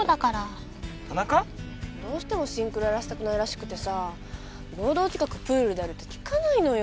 どうしてもシンクロやらせたくないらしくてさ合同企画プールでやるってきかないのよ。